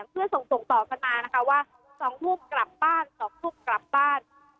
เพื่อส่งไปต่อคนาค้าว่า๙ทุกร์กลับบ้าน